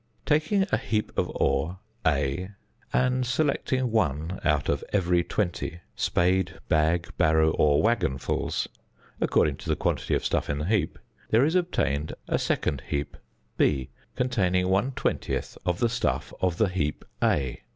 Taking a heap of ore, A, and selecting one out of every twenty spade , bag , barrow , or wagon fuls, according to the quantity of stuff in the heap, there is obtained a second heap, B, containing one twentieth of the stuff of the heap A.